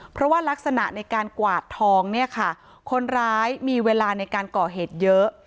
เพราะว่ารักษณะในการกวาดทองเนี่ยค่ะคนร้ายมีเวลาในการก่อเหตุเยอะ